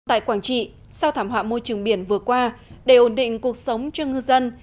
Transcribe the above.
tại quảng trị sau thảm họa môi trường biển vừa qua để ổn định cuộc sống cho ngư dân